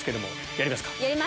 やります！